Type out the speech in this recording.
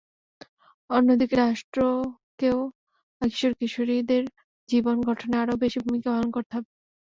অন্যদিকে রাষ্ট্রকেও কিশোর-কিশোরীদের জীবন গঠনে আরও বেশি ভূমিকা পালন করতে হবে।